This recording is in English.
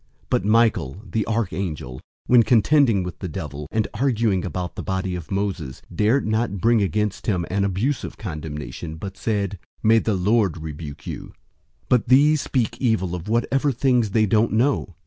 001:009 But Michael, the archangel, when contending with the devil and arguing about the body of Moses, dared not bring against him an abusive condemnation, but said, "May the Lord rebuke you!" 001:010 But these speak evil of whatever things they don't know.